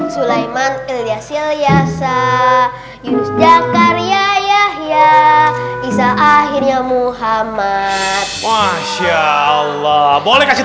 sulaiman ilyas ilyasa yunus jakar yahya isa akhirnya muhammad masya allah boleh kasih